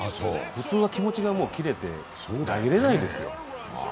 普通は気持ちが切れて投げれないですよ。